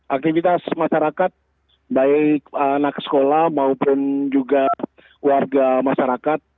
aktivitas masyarakat baik anak sekolah maupun juga warga masyarakat